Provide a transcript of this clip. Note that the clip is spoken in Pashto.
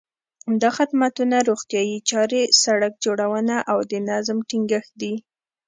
دا خدمتونه روغتیايي چارې، سړک جوړونه او د نظم ټینګښت دي.